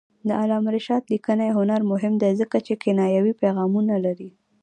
د علامه رشاد لیکنی هنر مهم دی ځکه چې کنایوي پیغامونه لري.